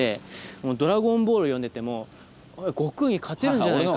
もう「ドラゴンボール」読んでても悟空に勝てるんじゃないか。